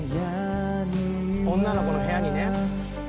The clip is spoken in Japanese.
女の子の部屋にね。